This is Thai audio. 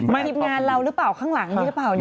ทีมงานเราหรือเปล่าข้างหลังนี้หรือเปล่าเนี่ย